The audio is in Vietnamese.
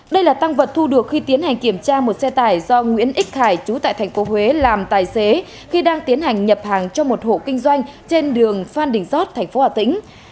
đây là tăng vật thu được khi tiến hành kiểm tra một xe tải do nguyễn ích khải chú tại tp huế làm tài xế khi đang tiến hành nhập hàng cho một hộ kinh doanh trên đường phan đình giót tp hà tĩnh